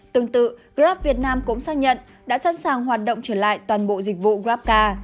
tương tự grab việt nam cũng xác nhận đã sẵn sàng hoạt động trở lại toàn bộ dịch vụ grabcar